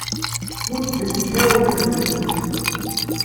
Muddent-awen-tent.